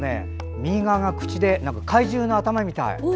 右側が口で怪獣の頭みたい。